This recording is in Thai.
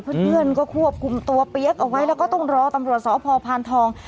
เพื่อนก็ควบคุมตัวเปี๊ยกเอาไว้แล้วก็ต้องรอตำรวจสพพานทอง